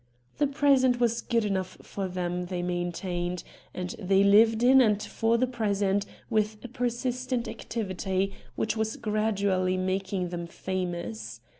The present was good enough for them, they maintained, and they lived in and for the present with a persistent activity which was gradually making them famous.